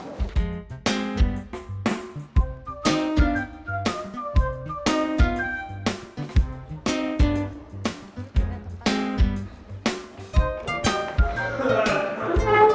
gue harus pindah ke tempat lo